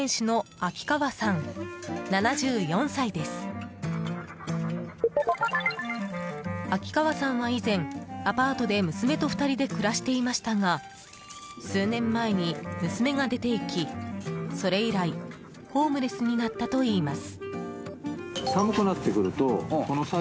秋川さんは以前、アパートで娘と２人で暮らしていましたが数年前に娘が出ていきそれ以来ホームレスになったといいます。